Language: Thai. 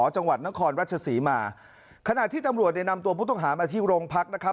จังหวัดนครราชศรีมาขณะที่ตำรวจเนี่ยนำตัวผู้ต้องหามาที่โรงพักนะครับ